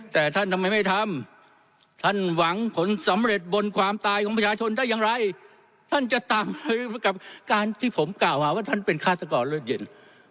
ท่านจะตามกับการที่ผมกล่าวมาว่าท่านเป็นฆาตกรเลือดเย็น